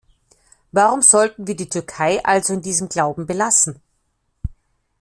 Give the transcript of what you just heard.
Warum sollten wir die Türkei also in diesem Glauben belassen?